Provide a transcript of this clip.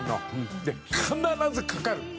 で必ずかかる！